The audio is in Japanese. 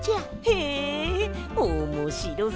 へえおもしろそう！